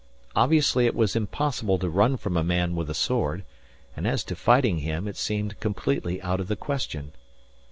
Obviously it was impossible to run from a man with a sword, and as to fighting him, it seemed completely out of the question.